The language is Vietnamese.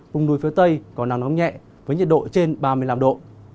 vùng núi phía tây có nắng nóng nhẹ với nhiệt độ trên ba mươi năm độ